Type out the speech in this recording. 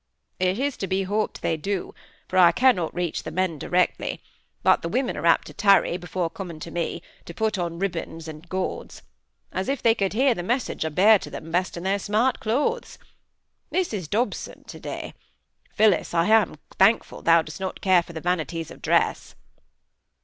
"It is to be hoped they do, for I cannot reach the men directly; but the women are apt to tarry before coming to me, to put on ribbons and gauds; as if they could hear the message I bear to them best in their smart clothes. Mrs Dobson to day—Phillis, I am thankful thou dost not care for the vanities of dress!"